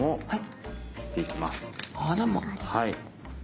はい。